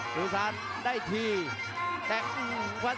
หัวจิตหัวใจแก่เกินร้อยครับ